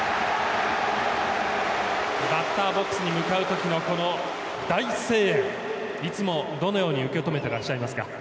バッターボックスに向かうときのこの大声援いつもどのように受け止めてらっしゃいますか？